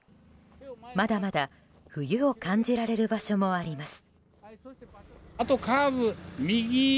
まだまだ冬を感じられる場所もあります。